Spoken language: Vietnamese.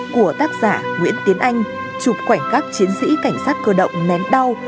của tác giả nguyễn tiến anh chụp khoảnh khắc chiến sĩ cảnh sát cơ động nén đau